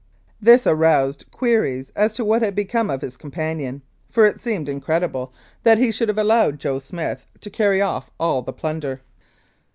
This aroused queries as to what had become of his companion, for it seemed incredible that he should 258 The Wilson Murder and Robbery have allowed " Joe Smith " to carry off all the plunder.